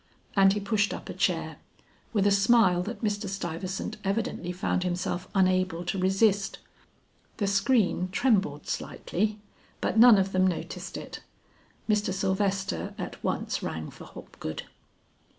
And he pushed up a chair, with a smile that Mr. Stuyvesant evidently found himself unable to resist. The screen trembled slightly, but none of them noticed it; Mr. Sylvester at once rang for Hopgood.